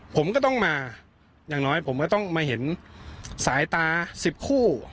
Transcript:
ผมก็ต้องมาอย่างน้อยผมก็ต้องมาเห็นสายตา๑๐คู่